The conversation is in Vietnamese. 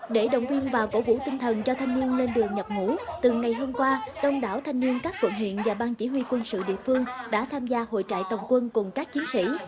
để động viên và cổ vũ tinh thần cho thanh niên lên đường nhập ngũ từ ngày hôm qua đông đảo thanh niên các quận huyện và bang chỉ huy quân sự địa phương đã tham gia hội trại tổng quân cùng các chiến sĩ